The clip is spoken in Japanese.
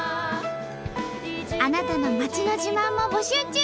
あなたの町の自慢も募集中！